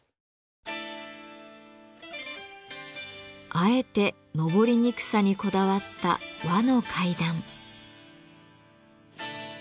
あえて上りにくさにこだわった和の階段。